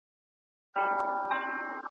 علامه رشاد بابا